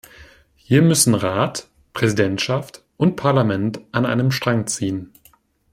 Hier müssen Rat, Präsidentschaft und Parlament an einem Strang ziehen.